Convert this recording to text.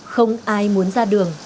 không ai muốn ra đường